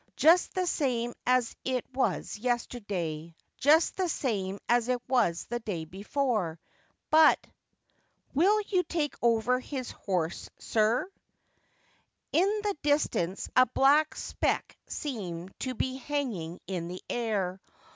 Just the same as it was yesterday, just the same as it was the day before, but —" Will you take over his horse, sir ?" r In the distance a black speck seemed to be hanging in the air.